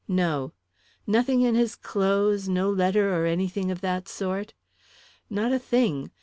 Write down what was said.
"No." "Nothing in his clothes no letter, or anything of that sort?" "Not a thing.